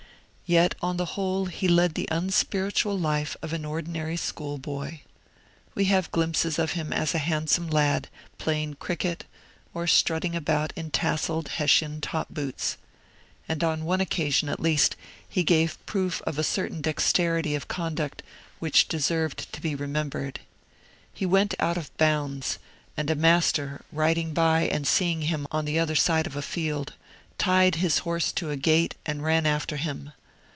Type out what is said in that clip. Yet on the whole he led the unspiritual life of an ordinary schoolboy. We have glimpses of him as a handsome lad, playing cricket, or strutting about in tasselled Hessian top boots. And on one occasion at least he gave proof of a certain dexterity of conduct which deserved to be remembered. He went out of bounds, and a master, riding by and seeing him on the other side of a field, tied his horse to a gate, and ran after him.